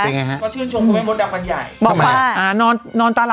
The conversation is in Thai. เป็นไงฮะ